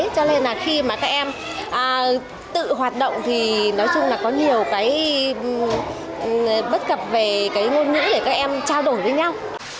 cho nên là khi mà các em tự hoạt động thì nói chung là có nhiều cái bất cập về cái ngôn ngữ để các em trao đổi với nhau